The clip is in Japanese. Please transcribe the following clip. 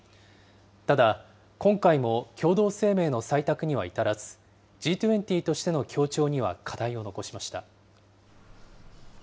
ただ、今回も共同声明の採択には至らず、Ｇ２０としての協調には課題を残しました。